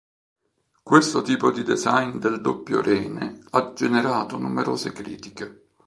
Questo tipo di design del doppio rene ha generato numerose critiche.